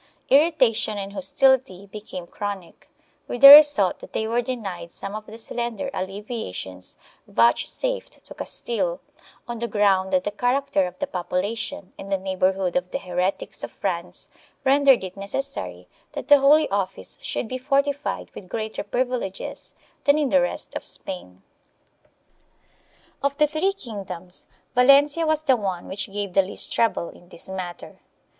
Irri tation and hostility became chronic, with the result that they were denied some of the slender alleviations vouchsafed to Castile, on the ground that the character of the population and the neighborhood of the heretics of France rendered it necessary that the Holy Office should be fortified with greater privileges than in the rest of Spain. Of the three kingdoms Valencia was the one which gave the least trouble in this matter.